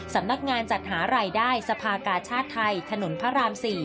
สำนักงานจัดหารายได้สภากาชาติไทยถนนพระราม๔